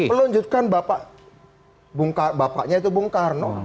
melanjutkan bapaknya itu bung karno